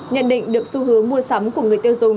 nhận định được xu hướng mua sắm của người tiêu dùng